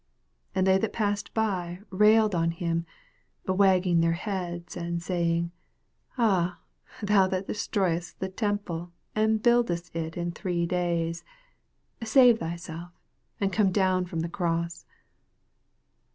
29 And they that passed by railed on him, wagging their heads, and saying, Ah, thou that destroyest the temple, and buildest it in three days, 30 Save thyself, and come down from the cross.